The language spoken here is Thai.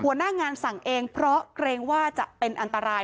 หัวหน้างานสั่งเองเพราะเกรงว่าจะเป็นอันตราย